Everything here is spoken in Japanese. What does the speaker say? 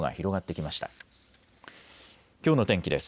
きょうの天気です。